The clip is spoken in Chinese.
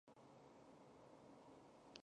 格雷西尼亚克小教堂人口变化图示